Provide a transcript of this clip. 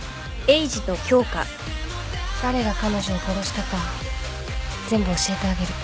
誰が彼女を殺したか全部教えてあげる。